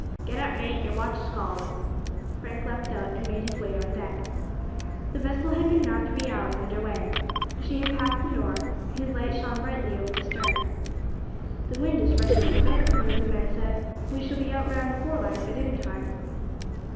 "Get up, mate, your watch is called." Frank leapt out and made his way on deck. The vessel had been now three hours under weigh. She had passed the Nore, whose light shone brightly over the stern. "The wind is freshening a bit," one of the men said, "we shall be out round the Foreland by dinner time."